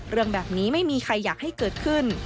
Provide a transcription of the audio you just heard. เรื่องแบบนี้ไม่มีใครอยากให้เกิดขึ้น